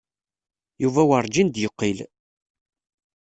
Yuba werǧin d-yeqqil.